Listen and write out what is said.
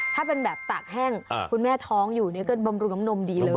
ถ้าเป็นแบบตากแห้งคุณแม่ท้องอยู่เนี่ยก็บำรุงน้ำนมดีเลย